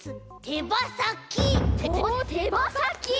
てばさき！？